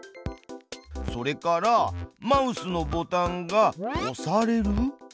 それからマウスのボタンが押される。